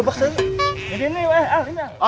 gak usah ketawa ketawa ya